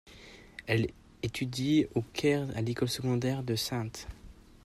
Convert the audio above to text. Elle étudie au Caire à l'école secondaire de St.